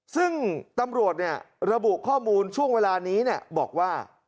ซึ่งตำรวจระบุข้อมูลช่วงเวลานี้บอกว่า